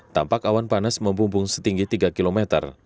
tampak awan panas membumbung setinggi tiga km